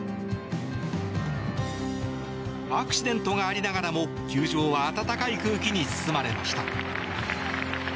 アクシデントがありながらも球場は温かい空気に包まれました。